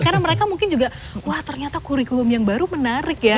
karena mereka mungkin juga wah ternyata kurikulum yang baru menarik ya